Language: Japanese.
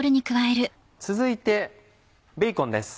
続いてベーコンです。